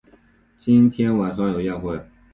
今天晚上有宴会